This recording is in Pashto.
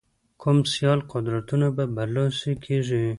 کوم سیال قدرتونه به برلاسي کېږي.